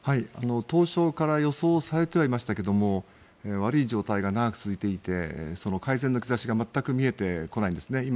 当初から予想されていましたが悪い状態が長く続いていて改善の兆しが全く見えてこないんですね。